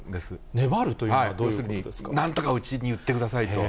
粘るというのはどういうことなんとかうちに売ってくださいと。